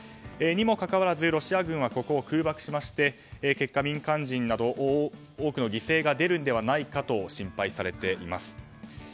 にもかかわらずロシア軍はここを空爆しまして結果、民間人など多くの犠牲が出るのではないかと心配されています。